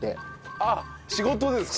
あっ仕事でですか？